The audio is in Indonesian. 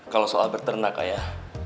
kalau soal berternak ayah